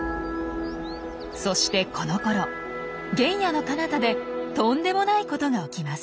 そしてこのころ原野のかなたでとんでもないことが起きます。